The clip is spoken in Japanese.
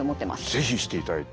是非していただいて。